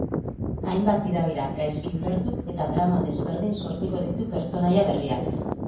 Hainbat tirabira, gaizki ulertu eta trama desberdin sortuko ditu pertsonaia berriak.